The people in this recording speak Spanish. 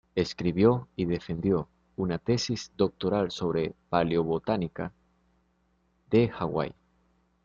Escribió y defendió una tesis doctoral sobre paleobotánica de Hawaii.